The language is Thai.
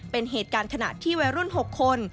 เป็นเหตุการณ์ขณะที่วัยรุ่น๖คน